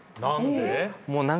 何で？